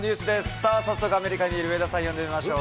さあ、早速、アメリカにいる上田さんを呼んでみましょう。